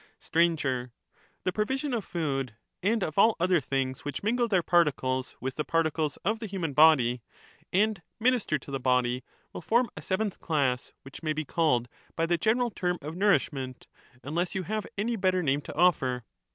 Sir. The provision of food and of all other things which mingle their particles with the particles of the human body, and minister to the body, will form a seventh class, which 289 may be called by the general term of nourishment, unless you have any better name to offer.